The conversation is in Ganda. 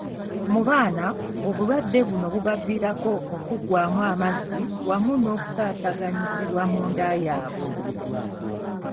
Mu baana, obulwadde buno bubaviirako okuggwaamu amazzi wamu n'okutaataganyizibwa mu ndya yaabwe